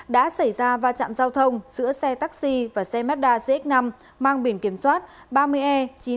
đã xảy ra va chạm giao thông giữa xe taxi và xe mazda zx năm mang biển kiểm soát ba mươi e chín mươi hai nghìn sáu trăm bốn mươi tám